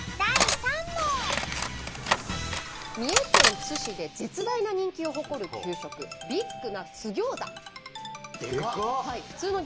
三重県津市で絶大な人気を誇る給食ビッグな津ぎょうざ。